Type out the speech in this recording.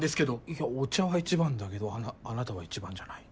いやお茶は１番だけどあなたは１番じゃない。